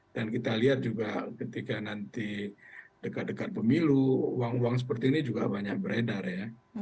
dan kita lihat juga ketika nanti dekat dekat pemilu uang uang seperti ini juga banyak beredar ya